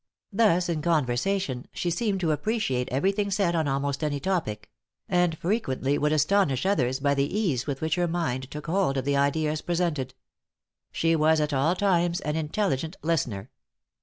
Thus in conversation, she seemed to appreciate every thing said on almost any topic; and frequently would astonish others by the ease with which her mind took hold of the ideas presented. She was at all times an intelligent listener.